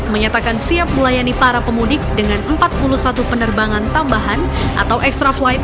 menyatakan siap melayani para pemudik dengan empat puluh satu penerbangan tambahan atau extra flight